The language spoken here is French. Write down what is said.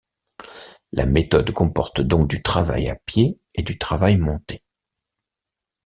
La méthode comporte donc du travail à pied et du travail monté.